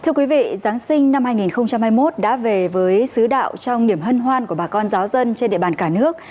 thưa quý vị giáng sinh năm hai nghìn hai mươi một đã về với xứ đạo trong niềm hân hoan của bà con giáo dân trên địa bàn cả nước